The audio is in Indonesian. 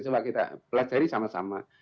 coba kita belajar ini sama sama